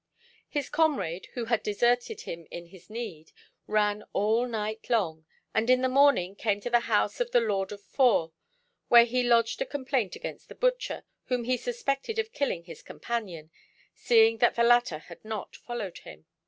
His comrade, who had deserted him in his need, ran all night long, and in the morning came to the house of the Lord of Fors, where he lodged a complaint against the butcher, whom he suspected of killing his companion, seeing that the latter had not followed him.